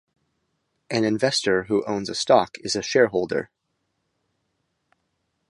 An investor who owns a stock is a shareholder.